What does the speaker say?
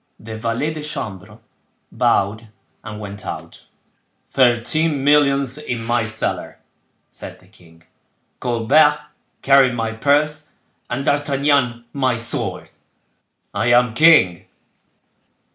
The valet de chambre bowed and went out. "Thirteen millions in my cellar," said the king; "Colbert carrying my purse and D'Artagnan my sword—I am king."